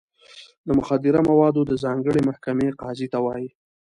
د مخدره موادو د ځانګړې محکمې قاضي ته وایي.